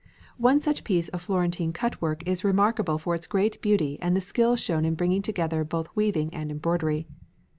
One such piece of Florentine cut work is remarkable for its great beauty and the skill shown in bringing together both weaving and embroidery.